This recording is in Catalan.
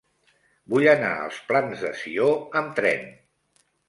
Vull anar als Plans de Sió amb tren.